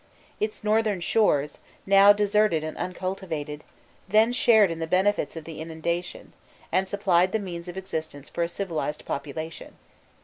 Its northern shores, now deserted and uncultivated, then shared in the benefits of the inundation, and supplied the means of existence for a civilized population.